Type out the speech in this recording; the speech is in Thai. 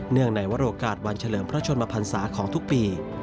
เนื่องในวัตถ์โรคกาสวันเฉลิมพระชนมพันธ์ศาสตร์ของทุกปี